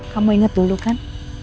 kamu inget dulu kan